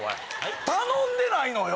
頼んでないのよ！